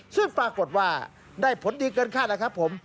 ซึ่งปรากฏว่าได้ผลดีเกินคาดแล้วครับผม